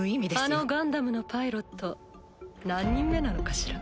あのガンダムのパイロット何人目なのかしら？